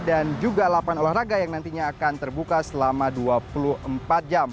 dan juga lapan olahraga yang nantinya akan terbuka selama dua puluh empat jam